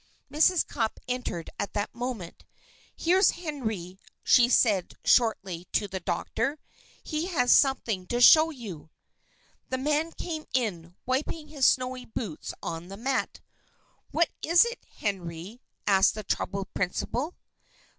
Mrs. Cupp entered at that moment. "Here's Henry," she said shortly to the doctor. "He has something to show you." The man came in, wiping his snowy boots on the mat. "What is it, Henry?" asked the troubled principal.